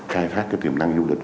khai phát cái tiềm năng du lịch